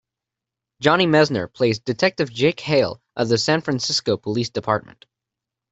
Johnny Messner plays Detective Jack Hale of the San Francisco Police Department.